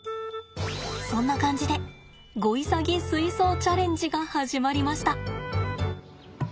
そんな感じでゴイサギ水槽チャレンジが始まりました。